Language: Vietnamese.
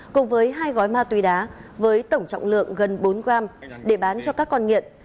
cùng với hai gói ma túy đá với tổng trọng lượng gần bốn g để bán cho các con nghiện